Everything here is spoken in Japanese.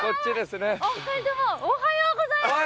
お二人ともおはようございます！